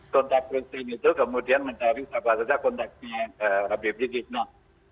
tontak krisen itu kemudian mencari kontaknya abibrizik